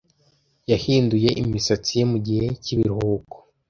Yahinduye imisatsi ye mugihe cyibiruhuko.